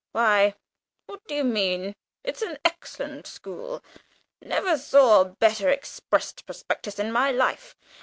"Why, what do you mean? It's an excellent school never saw a better expressed prospectus in my life.